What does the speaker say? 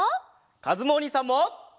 かずむおにいさんも！